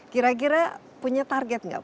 kira kira punya target nggak